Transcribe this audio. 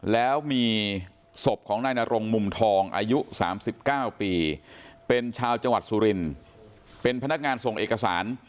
แล้วมีศพของนายนรงมุมทองอายุ๓๙ปีเป็นชาวจังหวัดสุรินเป็นพนักงานส่งเอกสาร